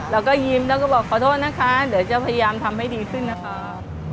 แล้วก็ยิ้มแล้วก็บอกขอโทษนะคะเดี๋ยวจะพยายามทำให้ดีขึ้นนะคะ